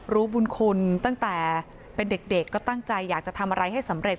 รู้บุญคุณตั้งแต่เป็นเด็กก็ตั้งใจอยากจะทำอะไรให้สำเร็จ